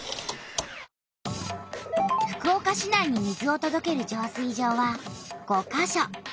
福岡市内に水をとどける浄水場は５か所。